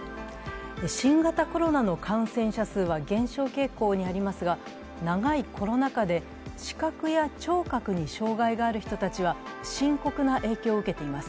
新型コロナの感染者数は減少傾向にありますが、長いコロナ禍で視覚や聴覚に障害がある人たちは深刻な影響を受けています。